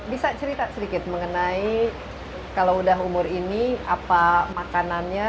bisa cerita sedikit mengenai kalau udah umur ini apa makanannya